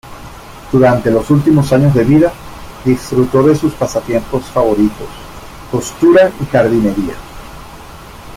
Durante los últimos años de vida, disfrutó de sus pasatiempos favoritos: costura y jardinería.